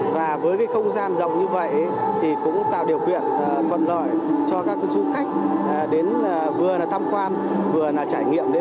và với cái không gian rộng như vậy thì cũng tạo điều quyền thuận lợi cho các con du khách đến vừa là tham quan vừa là trải nghiệm lễ hội